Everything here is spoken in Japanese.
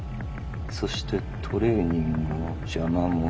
「そしてトレーニングの邪魔も。